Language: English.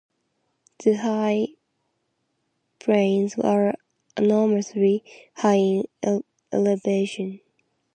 The High Plains are anomalously high in elevation.